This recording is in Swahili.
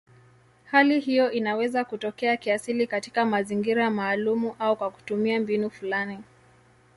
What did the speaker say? Hali hiyo inaweza kutokea kiasili katika mazingira maalumu au kwa kutumia mbinu fulani.